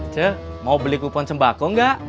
teh mau beli kupon sembako nggak